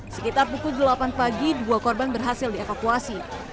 sekitar pukul delapan pagi dua korban berhasil dievakuasi